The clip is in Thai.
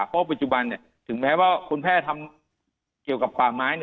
เพราะปัจจุบันถึงแม้ว่าคุณแพทย์ทำเกี่ยวกับป่าไม้